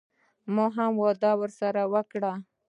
ما هم وعده ورسره وکړه.